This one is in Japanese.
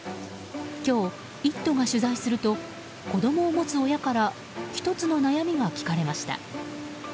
今日、「イット！」が取材すると子供を持つ親から１つの悩みが聞かれました。